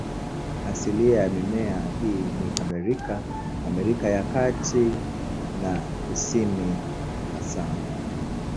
Asilia ya mimea hii ni Amerika, Amerika ya Kati na ya Kusini hasa.